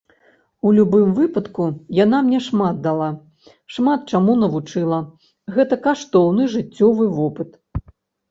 У любым выпадку, яна мне шмат дала, шмат чаму навучыла, гэта каштоўны жыццёвы вопыт.